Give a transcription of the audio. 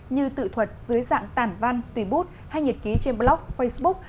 như tự thuật dưới dạng tản văn tùy bút hay nhật ký trên blog facebook